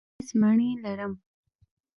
زه لس مڼې لرم.